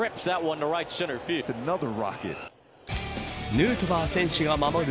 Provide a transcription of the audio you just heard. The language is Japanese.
ヌートバー選手が守る